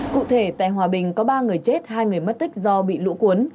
cụ thể tại hòa bình có ba người chết hai người mất tích do bị lũ cuốn